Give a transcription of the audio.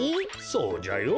そうじゃよ。